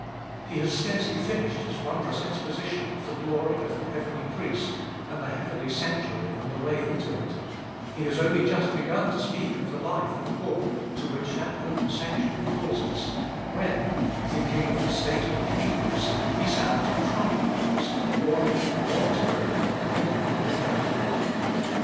He has scarcely finished his wondrous exposition of the glory of the heavenly Priest and the heavenly sanctuary and the way into it, he has only just begun to speak of the life and walk to which 26 402 abe 1>oUest of SH that opened sanctuary calls us, when, thinking of the state of the Hebrews, he sounds a trumpet blast of warning more terrible than any we have heard yet.